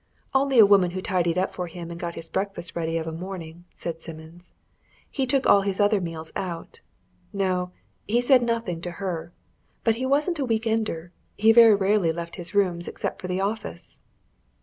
"Only a woman who tidied up for him and got his breakfast ready of a morning," said Simmons. "He took all his other meals out. No he said nothing to her. But he wasn't a week ender: he very rarely left his rooms except for the office."